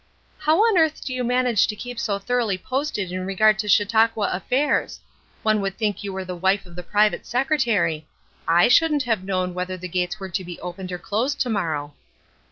"How on earth do you manage to keep so thoroughly posted in regard to Chautauqua affairs? One would think you were the wife of the private secretary. I shouldn't have known whether the gates were to be opened or closed to morrow."